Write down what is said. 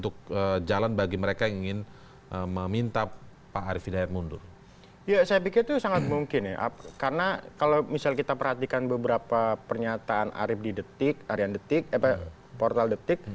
karena kalau misalnya kita perhatikan beberapa pernyataan arief di portal detik